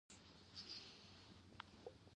سالنګ تونل څومره اوږد دی؟